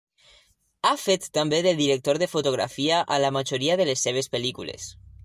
Ha fet també de director de fotografia a la majoria de les seves pel·lícules.